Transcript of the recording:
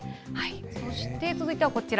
そして続いてはこちら。